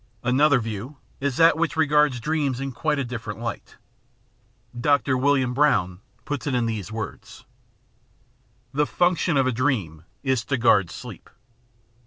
Another view is that which regards dreams in quite a dif ferent light. Dr. William Brown puts it in these words : The function of a dream is to guard sleep.